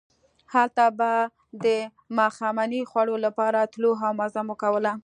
هلته به د ماښامنۍ خوړلو لپاره تلو او مزه مو کوله.